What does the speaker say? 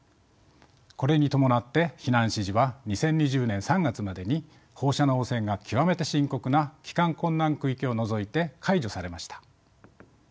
これに伴って避難指示は２０２０年３月までに放射能汚染が極めて深刻な帰還困難区域を除いて解除されました。